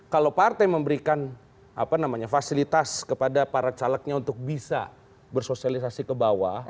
kalau partai memberikan fasilitas kepada para calegnya untuk bisa bersosialisasi ke bawah